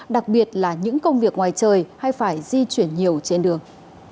đặc biệt là những công việc ngoài trời hay phải di chuyển nhiều trên đường